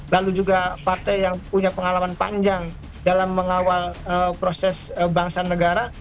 lalu juga partai yang punya pengalaman panjang dalam mengawal proses bangsa negara